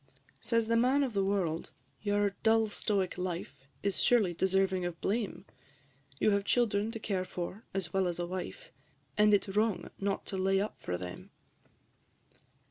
III. Says the Man of the World, "Your dull stoic life Is surely deserving of blame? You have children to care for, as well as a wife, And it 's wrong not to lay up for them."